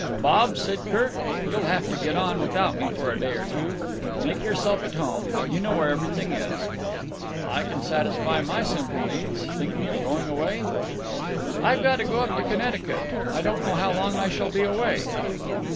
"Bob," said Kirk, "you'll have to get on without me for a day or two. Make yourself at home. You know where everything is." "I can satisfy my simple needs. Thinking of going away?" "I've got to go up to Connecticut. I don't know how long I shall be away."